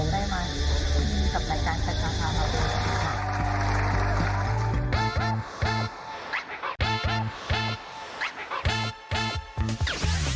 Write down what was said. ที่แบบได้มามีกับรายการสัญชาภาพามาก